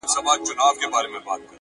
اې ه سترگو کي کينه را وړم؛